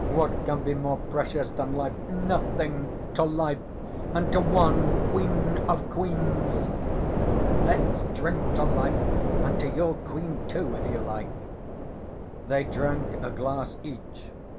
What can be more precious than life? Nothing! To life, and to one queen of queens!" "Let's drink to life and to your queen, too, if you like." They drank a glass each.